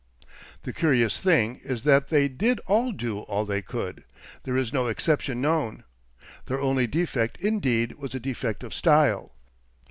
The curious thing is that they did all do all they could; there is no exception known. Their only defect indeed was a defect of style.